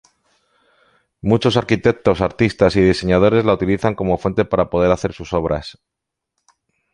Muchos arquitectos, artistas y diseñadores la utilizan como fuente para poder hacer sus obras.